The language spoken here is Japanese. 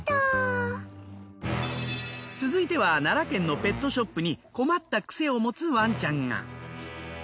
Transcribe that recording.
続いては奈良県のペットショップに困ったクセをもつワンちゃんが。